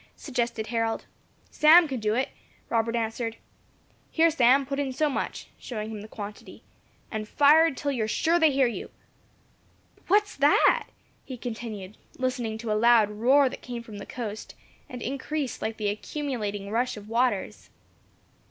suggested Harold. "Sam can do it," Robert answered. "Here, Sam, put in so much," showing him the quantity, "and fire it until you are sure they hear you. But what is that?" he continued, listening to a loud roar that came from the coast, and increased like the accumulating rush of waters.